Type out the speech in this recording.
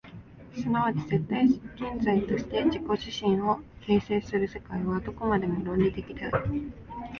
即ち絶対現在として自己自身を形成する世界は、どこまでも論理的である。